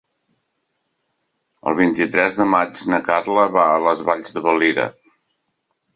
El vint-i-tres de maig na Carla va a les Valls de Valira.